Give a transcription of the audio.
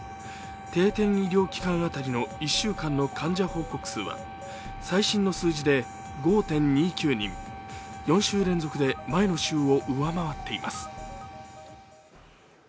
定点医療機関当たりの１週間の患者報告数は最新の数字で５．２９人４週連続で前の週を上回っています。